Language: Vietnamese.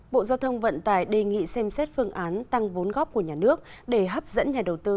bộ giao thông vận tải đề nghị xem xét phương án tăng vốn góp của nhà nước để hấp dẫn nhà đầu tư